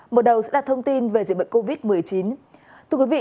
một đầu sẽ đặt thông tin về dịch bệnh covid một mươi chín